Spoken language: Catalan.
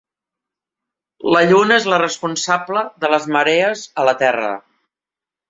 La lluna és la responsable de les marees a la terra.